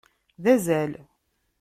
D azal.